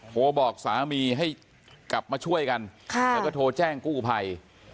โทรบอกสามีให้กลับมาช่วยกันแล้วก็โทรแจ้งกู้ภัย